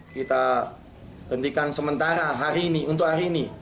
kita hentikan sementara hari ini untuk hari ini